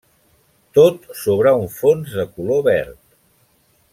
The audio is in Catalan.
Tot sobre un fons de color verd.